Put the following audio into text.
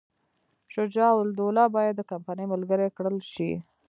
شجاع الدوله باید د کمپنۍ ملګری کړل شي.